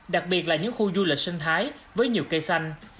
đặc biệt là những khu du lịch sinh thái với nhiều cây xanh